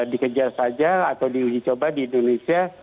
dikejar saja atau diuji coba di indonesia